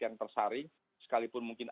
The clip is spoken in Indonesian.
yang tersaring sekalipun mungkin